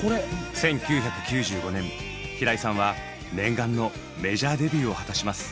１９９５年平井さんは念願のメジャーデビューを果たします。